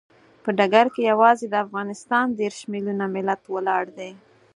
په ډګر کې یوازې د افغانستان دیرش ملیوني ملت ولاړ دی.